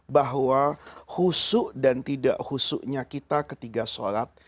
bahwa khusu dan tidak husunya kita ketika sholat